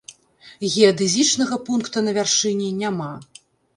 Геадэзічнага пункта на вяршыні няма.